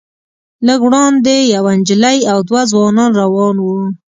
لږ وړاندې یوه نجلۍ او دوه ځوانان روان وو.